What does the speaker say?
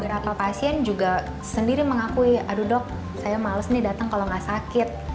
beberapa pasien juga sendiri mengakui aduh dok saya males nih datang kalau nggak sakit